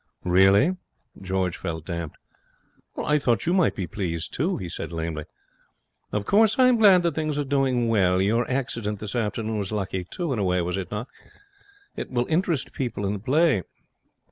'Really?' George felt damped. 'I thought you might be pleased, too,' he said, lamely. 'Of course I am glad that things are going well. Your accident this afternoon was lucky, too, in a way, was it not? It will interest people in the play.'